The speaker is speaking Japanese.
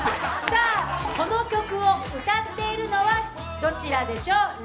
この曲を歌っているのは、どちらでしょう。